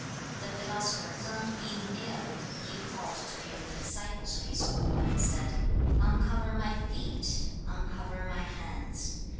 The philosopher Tsang being ill, he called to him the disciples of his school, and said, 'Uncover my feet, uncover my hands.